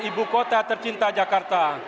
ibu kota tercinta jakarta